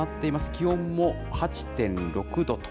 気温も８．６度と。